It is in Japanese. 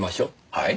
はい。